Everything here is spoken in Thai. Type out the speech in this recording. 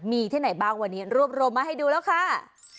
มีที่ไหนบ้างวันนี้รวบรวมมาให้ดูแล้วค่ะ